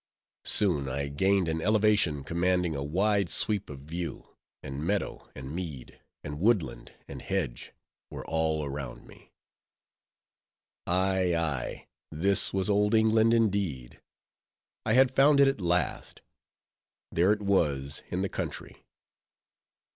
Soon I gained an elevation commanding a wide sweep of view; and meadow and mead, and woodland and hedge, were all around me. Ay, ay! this was old England, indeed! I had found it at last—there it was in the country!